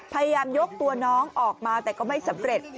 พยายามยกตัวน้องออกมาแต่ก็ไม่สำเร็จ